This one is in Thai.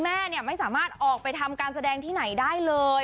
แม่ไม่สามารถออกไปทำการแสดงที่ไหนได้เลย